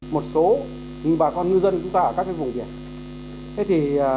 một số bà con ngư dân chúng ta ở các vùng biển